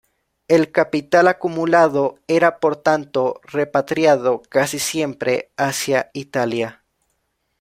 El capital acumulado era por tanto repatriado casi siempre hacia Italia.